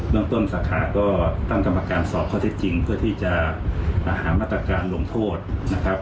เมืองต้นสาขาก็ตั้งกรรมการสอบข้อเท็จจริงเพื่อที่จะหามาตรการลงโทษนะครับ